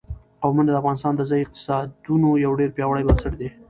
قومونه د افغانستان د ځایي اقتصادونو یو ډېر پیاوړی بنسټ دی.